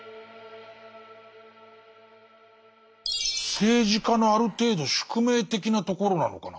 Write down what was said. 政治家のある程度宿命的なところなのかな。